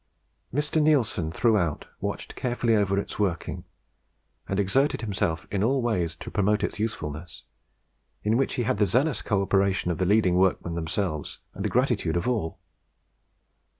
Mr. Neilson throughout watched carefully over its working, and exerted himself in all ways to promote its usefulness, in which he had the zealous co operation of the leading workmen themselves, and the gratitude of all.